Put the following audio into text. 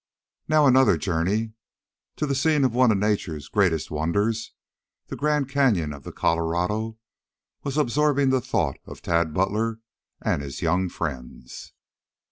Now another journey, to the scene of one of Nature's greatest wonders, the Grand Canyon of the Colorado, was absorbing the thought of Tad Butler and his young friends.